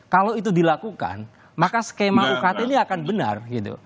kalau itu dilakukan maka skema ukt ini akan benar gitu